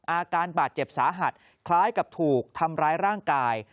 อาการบาดเจ็บสาหัสคล้ายกับถูกทำร้ายร่างกาย